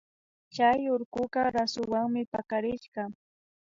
Chay urkuka rasuwanmi pakarishka